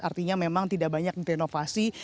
artinya memang tidak banyak direnovasi